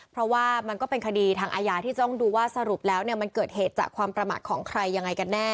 เพราะว่ามันก็เป็นคดีทางอาญาที่ต้องดูว่าสรุปแล้วมันเกิดเหตุจากความประมาทของใครยังไงกันแน่